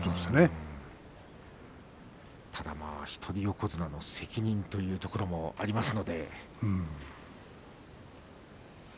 ただ一人横綱の責任というところもありますので。